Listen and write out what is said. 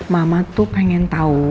mama tuh pengen tau